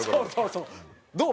どう？